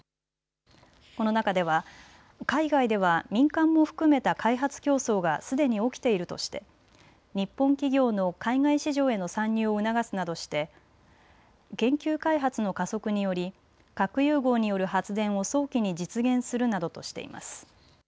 この中では海外では民間も含めた開発競争がすでに起きているとして日本企業の海外市場への参入を促すなどして研究開発の加速により核融合による発電を早期に実現するなどとしています。